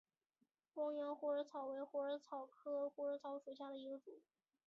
光缘虎耳草为虎耳草科虎耳草属下的一个种。